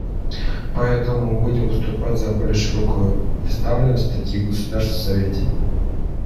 Поэтому мы будем выступать за более широкую представленность таких государств в Совете.